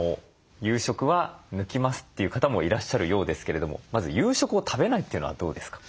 夕食は抜きますという方もいらっしゃるようですけれどもまず夕食を食べないというのはどうですか？